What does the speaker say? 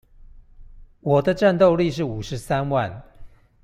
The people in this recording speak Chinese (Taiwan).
我的戰鬥力是五十三萬